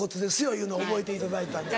いうの覚えていただいたんで。